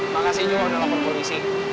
makasih juga udah laporan polisi